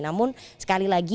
namun sekali lagi